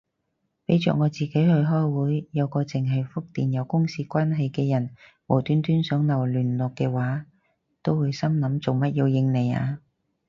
俾着我自己去開會，有個剩係覆電郵公事關係嘅人無端端想留聯絡嘅話，都會心諗做乜要應你啊